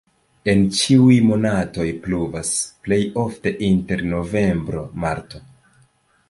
En ĉiuj monatoj pluvas, plej ofte inter novembro-marto.